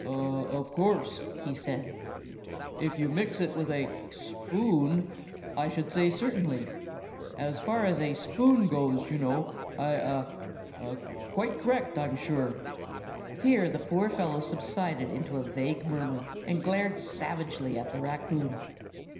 "Oh, of course," he said. "If you mix it with a spoon, I should say certainly. As far as a spoon goes, you know, I—ah—quite correct, I'm sure." Here the poor fellow subsided into a vague murmur, and glared savagely at the raccoon.